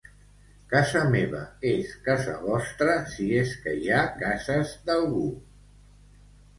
Casa meva és casa vostra si és que hi ha cases d'algú.